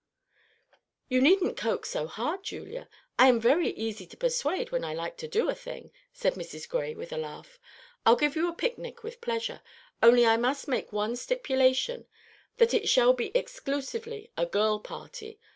"You needn't coax so hard, Julia; I'm very easy to persuade when I like to do a thing," said Mrs. Gray, with a laugh. "I'll give you a picnic with pleasure; only I must make one stipulation, that it shall be exclusively a girl party.